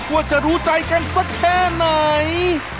ว่าจะรู้ใจกันสักแค่ไหน